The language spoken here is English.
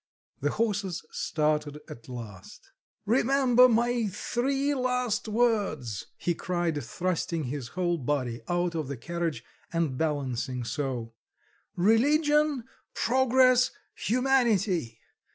The horses started at last. "Remember my three last words," he cried, thrusting his whole body out of the carriage and balancing so, "Religion, progress, humanity!...